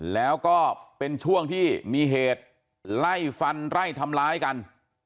แล้วก็เป็นช่วงที่มีเหตุไล่ฟันไล่ทำร้ายกัน